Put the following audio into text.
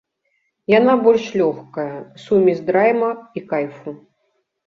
Яна больш лёгкая, сумесь драйва і кайфу.